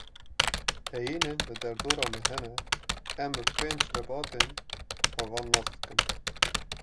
Heyînên li derdora me hene, em bi pênc lebatên xwe wan nas dikin.